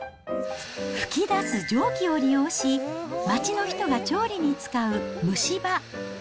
噴き出す蒸気を利用し、町の人が調理に使う蒸し場。